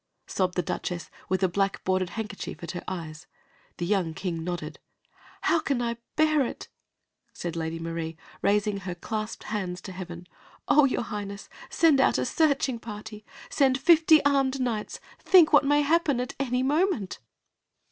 sobbed the Duchess, with a black bordered handkerchief at her eyes. The young king nodded. "How can I bear it?" asked Lady Marie, raising her clasped hands to heaven. "Oh, your Highness, send out a searching party! Send fifty armed knights! Think what may happen at any moment!"